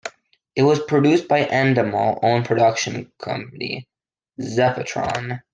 It was produced by Endemol owned production company, Zeppotron.